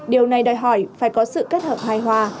điều này đòi hỏi phải có sự kết hợp hai hoa